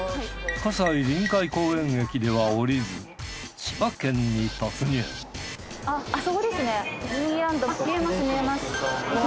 葛西臨海公園駅では降りず千葉県に突入見えます見えます。